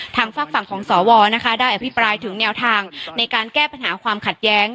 ฝากฝั่งของสวนะคะได้อภิปรายถึงแนวทางในการแก้ปัญหาความขัดแย้ง